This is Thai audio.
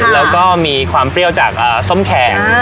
แล้วก็มีความเปรี้ยวจากส้มแขก